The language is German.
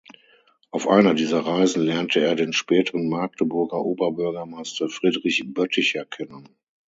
Auf einer dieser Reisen lernte er den späteren Magdeburger Oberbürgermeister Friedrich Bötticher kennen.